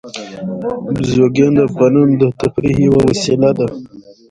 بزګان د افغانانو د تفریح یوه وسیله ده.